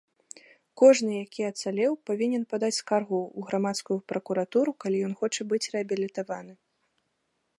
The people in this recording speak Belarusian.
Кожны які ацалеў павінен падаць скаргу ў грамадскую пракуратуру, калі ён хоча быць рэабілітаваны.